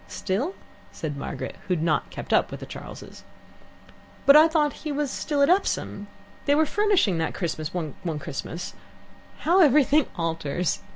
"Still?" said Margaret, who had not kept up with the Charles'. "But I thought he was still at Epsom. They were furnishing that Christmas one Christmas. How everything alters!